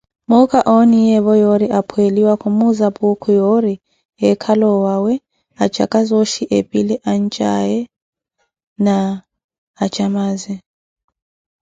Muukha, ooniyeevo yoori oopoliwa, khumuuza Puukhu yoori eekhale owawe, acaka zooxhi epile ye ancaawe na acamaaze.